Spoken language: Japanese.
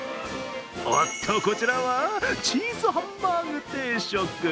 おっと、こちらはチーズハンバーグ定食。